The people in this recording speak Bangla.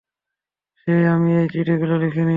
যে আমি ওই চিঠিগুলি লিখিনি।